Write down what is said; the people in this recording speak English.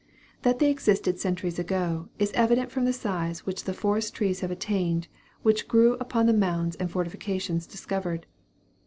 That they existed centuries ago, is evident from the size which forest trees have attained, which grow upon the mounds and fortifications discovered.